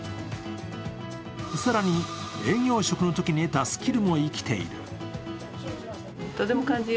更に、営業職のときに得たスキルも生きている。